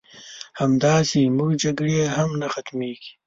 همداسې زمونږ جګړې هم نه ختميږي